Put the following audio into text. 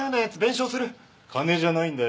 ・金じゃないんだよ。